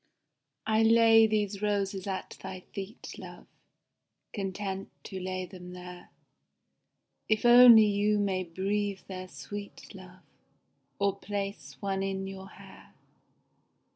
I lay these roses at thy feet, love, Content to lay them there If only you may breathe their sweet, love, Or place one in your hair.